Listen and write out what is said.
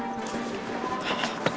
masa lo nyerah mas